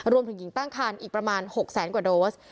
รวมถึงหญิงตั้งคันอีกประมาณ๖แสนกว่าโดส